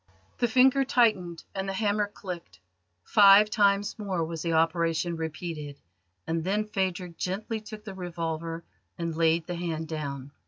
The finger tightened and the hammer clicked. Five times more was the operation repeated, and then Phadrig gently took the revolver and laid the hand down.